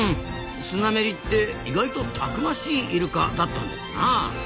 スナメリって意外とたくましいイルカだったんですなあ。